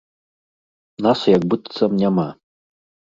Нас як быццам няма.